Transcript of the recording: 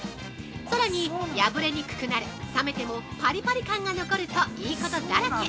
さらに、破れにくくなる冷めてもパリパリ感が残るといいことだらけ！